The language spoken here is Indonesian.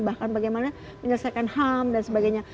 bahkan bagaimana menyelesaikan ham dan sebagainya